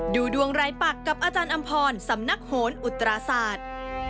ดูดวงรายปักกับอาจารย์อำพรสำนักโหนอุตราศาสตร์